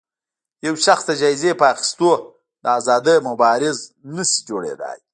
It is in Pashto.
يو شخص د جايزې په اخیستو د ازادۍ مبارز نه شي جوړېدای